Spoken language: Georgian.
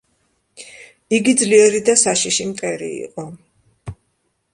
იგი ძლიერი და საშიში მტერი იყო.